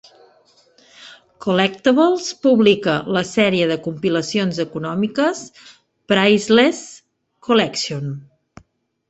Collectables publica la sèrie de compilacions econòmiques "Priceless Collection".